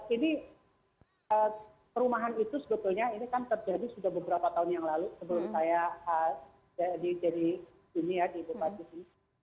ini perumahan itu sebetulnya ini kan terjadi sudah beberapa tahun yang lalu sebelum saya jadi ini ya di bupati ini